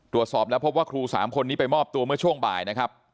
ตรวจสอบแล้วพบว่าครู๓คนนี้ไปมอบตัวเมื่อช่วงบ่ายนะครับ